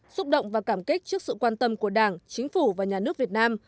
xúc động và cảm kích trước sự quan tâm của đảng chính phủ và nhà nước việt nam